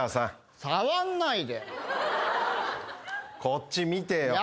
こっち見てよ。